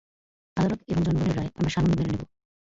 আদালত এবং জনগণের রায় আমরা সানন্দে মেনে নেব।